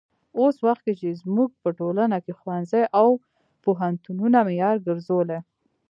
اوس وخت کې چې زموږ په ټولنه کې ښوونځي او پوهنتونونه معیار ګرځولي.